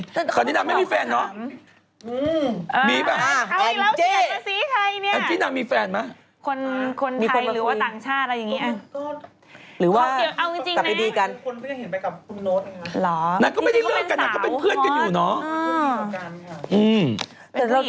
เพราะที่นางไม่มีแฟนเนอะมีหรือเปล่าเฮ้ยเราเขียนมาซีไทยเนี่ย